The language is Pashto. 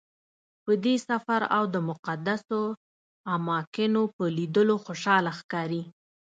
په دې سفر او د مقدسو اماکنو په لیدلو خوشحاله ښکاري.